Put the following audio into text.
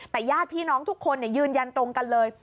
แต่ญาติพี่น้องทุกคนยืนยันตรงกันเลย